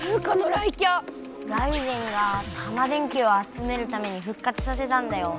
ライデェンがタマ電Ｑをあつめるためにふっ活させたんだよ。